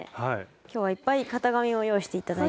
今日はいっぱい型紙を用意して頂いたので。